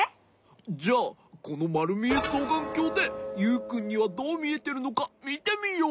じゃこのまるみえそうがんきょうでユウくんにはどうみえてるのかみてみよう。